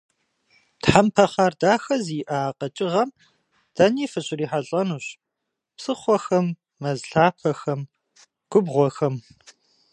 Тхьэмпэ хъар дахэ зиӏэ а къэкӏыгъэм дэни фыщрихьэлӏэнущ: псыхъуэхэм, мэз лъапэхэм, губгъуэхэм.